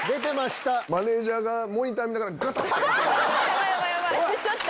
マネジャーがモニター見ながらガタガタ！って。